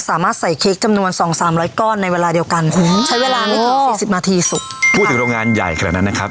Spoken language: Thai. สามารถใส่เค้กจำนวนสองสามร้อยก้อนในเวลาเดียวกันใช้เวลาไม่ถึงสี่สิบนาทีสุกพูดถึงโรงงานใหญ่ขนาดนั้นนะครับ